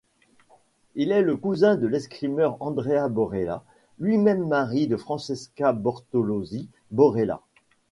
Il est le cousin de l'escrimeur Andrea Borella, lui-même mari de Francesca Bortolozzi-Borella.